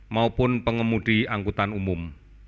maupun pengemudi angkutan umum